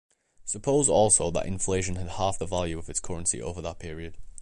Suppose also that inflation had halved the value of its currency over that period.